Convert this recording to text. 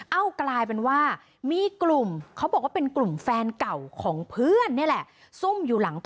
เอ้ากลายเป็นว่ามีกลุ่ม